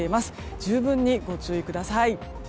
十分にご注意ください。